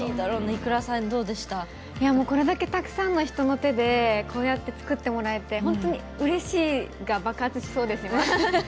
これだけたくさんの人の手で作ってもらえて本当にうれしいが爆発しそうです。